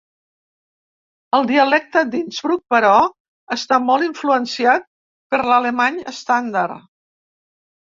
El dialecte d'Innsbruck, però, està molt influenciat per l'alemany estàndard.